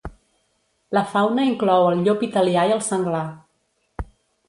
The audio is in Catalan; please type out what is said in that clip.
La fauna inclou el llop italià i el senglar.